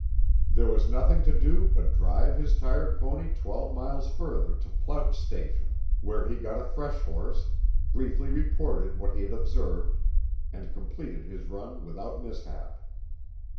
There was nothing to do but drive his tired pony twelve miles further to Ploutz Station, where he got a fresh horse, briefly reported what he had observed, and completed his run without mishap.